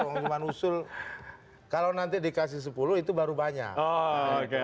pengumuman usul kalau nanti dikasih sepuluh itu baru banyak